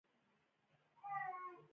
دا تور دی